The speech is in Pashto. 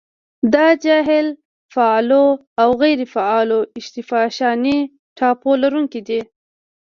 دا جهیل فعالو او غیرو فعالو اتشفشاني ټاپو لرونکي دي.